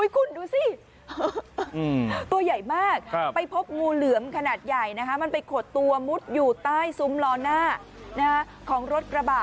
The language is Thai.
คุณดูสิตัวใหญ่มากไปพบงูเหลือมขนาดใหญ่มันไปขดตัวมุดอยู่ใต้ซุ้มล้อหน้าของรถกระบะ